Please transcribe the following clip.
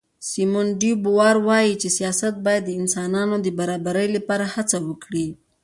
سیمون ډي بووار وایي چې سیاست باید د انسانانو د برابرۍ لپاره هڅه وکړي.